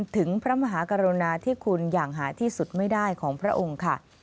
พระมหากรุณาที่คุณอย่างหาที่สุดไม่ได้ของพระองค์ค่ะ